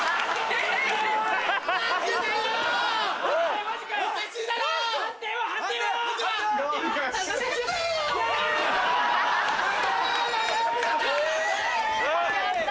よかった。